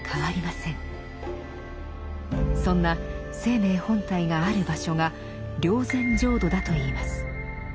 そんな「生命本体」がある場所が「霊山浄土」だといいます。